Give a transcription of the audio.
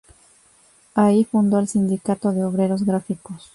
Allí fundó el Sindicato de Obreros Gráficos.